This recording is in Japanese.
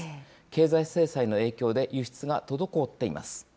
経済制裁の影響で輸出が滞っています。